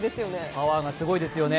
パワーがすごいですよね。